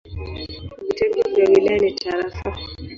Vitengo vya wilaya ni tarafa.